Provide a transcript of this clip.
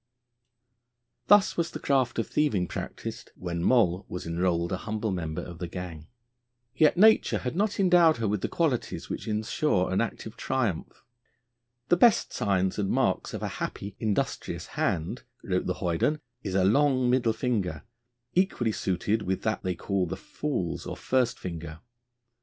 Thus was the craft of thieving practised when Moll was enrolled a humble member of the gang. Yet nature had not endowed her with the qualities which ensure an active triumph. 'The best signs and marks of a happy, industrious hand,' wrote the hoyden, 'is a long middle finger, equally suited with that they call the fool's or first finger.'